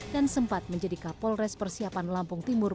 dan sempat menjadi kapolres persiapan lampung timur